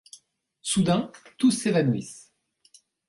Soudain, tous s'évanouissent.